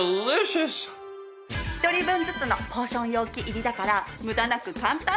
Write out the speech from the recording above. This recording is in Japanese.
１人分ずつのポーション容器入りだから無駄なく簡単。